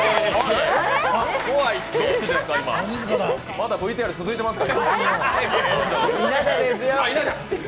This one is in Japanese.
まだＶＴＲ続いていますか？